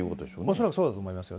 恐らくそうだと思いますよ。